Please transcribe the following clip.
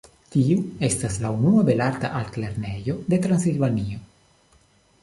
Tiu estis la unua belarta altlernejo de Transilvanio.